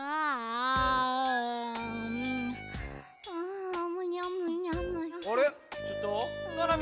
あむにゃむにゃむにゃ。